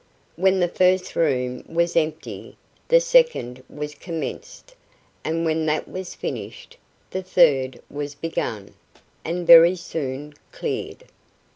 When the first room was empty, the second was commenced, and when that was finished, the third was begun, and very soon cleared.